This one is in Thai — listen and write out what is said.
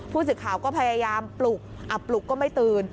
ผู้สื่อข่าวก็พยายามปลุกปลุกก็ไม่ตื่น